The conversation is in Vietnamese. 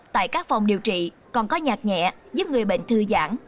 tại các phòng điều trị còn có nhạc nhẹ giúp người bệnh thư giãn